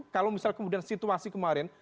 kalau misal kemudian situasi kemarin